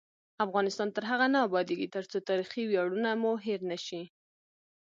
افغانستان تر هغو نه ابادیږي، ترڅو تاریخي ویاړونه مو هیر نشي.